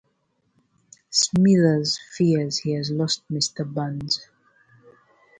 Smithers fears he has lost Mr. Burns.